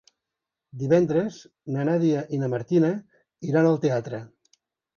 Divendres na Nàdia i na Martina iran al teatre.